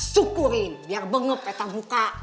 syukurin biar bengep kita buka